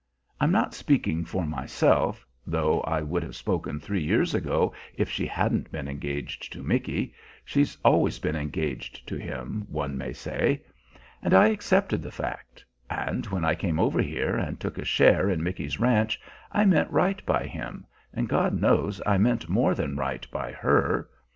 I'm not speaking for myself, though I would have spoken three years ago if she hadn't been engaged to Micky she's always been engaged to him, one may say. And I accepted the fact; and when I came over here and took a share in Micky's ranch I meant right by him, and God knows I meant more than right by her.